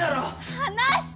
離して！